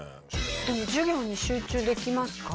でも授業に集中できますか？